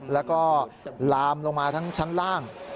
แล้วก็ลามลงมาทั้งชั้นล่าง